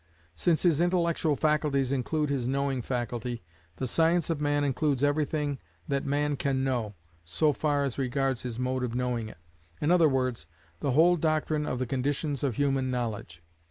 Since his intellectual faculties include his knowing faculty, the science of Man includes everything that man can know, so far as regards his mode of knowing it: in other words, the whole doctrine of the conditions of human knowledge.